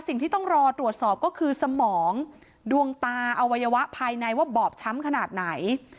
สิ่งที่ต้องรอตรวจสอบก็คือสมองดวงตาอวัยวะภายในว่าบอบช้ำขนาดไหน